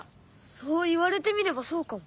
そう言われてみればそうかも。